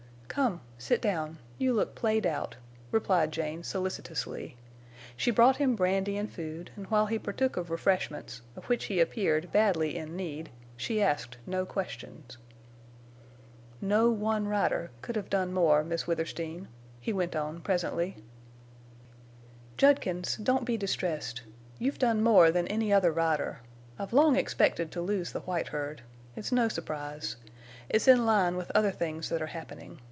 "Come, sit down, you look played out," replied Jane, solicitously. She brought him brandy and food, and while he partook of refreshments, of which he appeared badly in need, she asked no questions. "No one rider—could hev done more—Miss Withersteen," he went on, presently. "Judkins, don't be distressed. You've done more than any other rider. I've long expected to lose the white herd. It's no surprise. It's in line with other things that are happening.